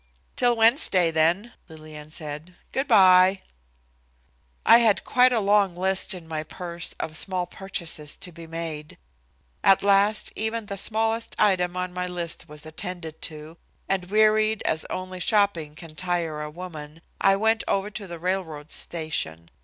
"'Til Wednesday, then," Lillian said, "good by." I had quite a long list in my purse of small purchases to be made. At last even the smallest item on my list was attended to, and, wearied as only shopping can tire a woman, I went over to the railroad station.